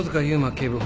警部補。